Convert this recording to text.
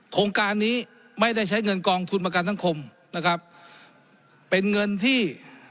โครงการนี้ไม่ได้ใช้เงินกองทุนประกันสังคมนะครับเป็นเงินที่